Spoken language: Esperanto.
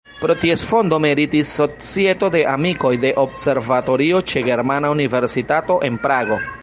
Pro ties fondo meritis Societo de amikoj de observatorio ĉe Germana universitato en Prago.